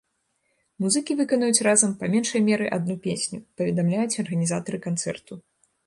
Музыкі выканаюць разам па меншай меры адну песню, паведамляюць арганізатары канцэрту.